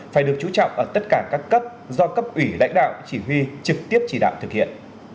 phải được chú trọng ở tất cả các cấp do cấp ủy lãnh đạo chỉ huy trực tiếp chỉ đạo thực hiện